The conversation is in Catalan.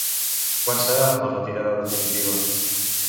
Quan serà la retirada definitiva?